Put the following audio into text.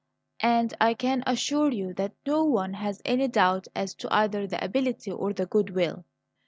"And I can assure you that no one has any doubt as to either the ability or the good will.